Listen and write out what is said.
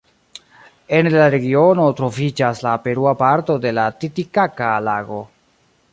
Ene de la regiono troviĝas la perua parto de la Titikaka-lago.